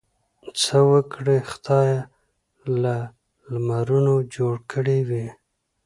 څه وګړي خدای له لمرونو جوړ کړي وي.